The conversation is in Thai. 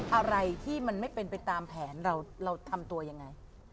อะไรที่มันไม่เป็นไปตามแผนเราทำตัวยังไง